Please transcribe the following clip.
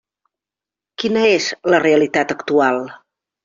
Quina és la realitat actual?